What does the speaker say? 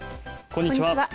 こんにちは。